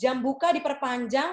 jam buka di perpanjang